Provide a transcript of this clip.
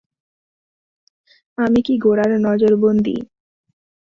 আমি কি গোরার নজরবন্দী!